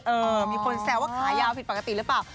มีคนแซวว่าขายาวผิดปกติหรือเปล่า